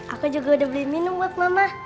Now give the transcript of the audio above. aku juga udah beli minum buat mama